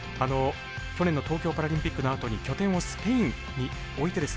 去年の東京パラリンピックのあとに拠点をスペインに置いてですね